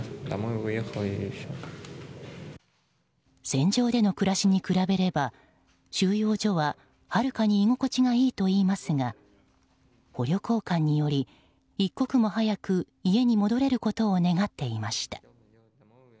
戦場での暮らしに比べれば収容所ははるかに居心地がいいといいますが捕虜交換により一刻も早く家に戻れることを願っていました。